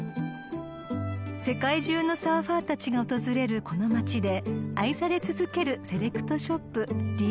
［世界中のサーファーたちが訪れるこの街で愛され続けるセレクトショップ］